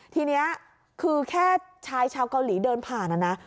ทีนี้คือแค่ชายชาวเกาหลีเดินผ่านนะนะ